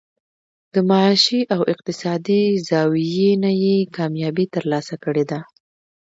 د معاشي او اقتصادي زاويې نه ئې کاميابي تر لاسه کړې ده